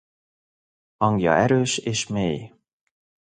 Hangja erős és mély.